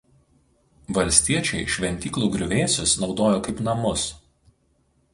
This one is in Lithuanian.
Valstiečiai šventyklų griuvėsius naudojo kaip namus.